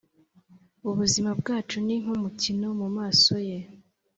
Ubuzima bwacu ni nk’umukino mu maso ye,